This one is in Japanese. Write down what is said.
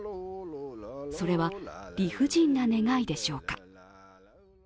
それは理不尽な願いでしょうか。